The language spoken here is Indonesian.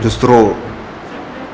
justru elsa yang mau hilang